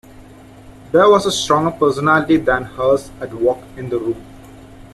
There was a stronger personality than hers at work in the room.